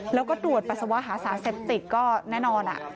แล้วก็ตรวจปัสสาวะหาศาสตร์เซ็ตติก็แน่นอน